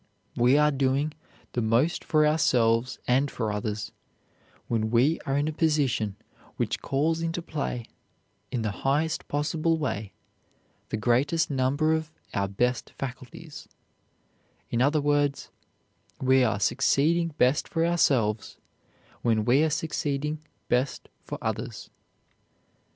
_We are doing the most for ourselves and for others when we are in a position which calls into play in the highest possible way the greatest number of our best faculties; in other words, we are succeeding best for ourselves when we are succeeding best for others_.